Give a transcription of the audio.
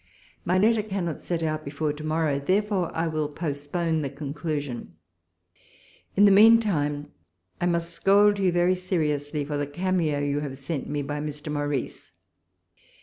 My letter cannot set out before to morrow ; therefore I will postpone the conclusion. In the meantime I must scold you very seriously for the cameo you have sent me by Mr. Morrice.